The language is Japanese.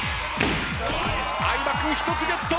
相葉君１つゲット！